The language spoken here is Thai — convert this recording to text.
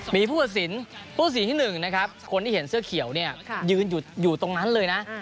มีผู้ตัดสินผู้สินที่๑นะครับคนที่เห็นเสื้อเขียวเนี่ยยืนอยู่ตรงนั้นเลยนะ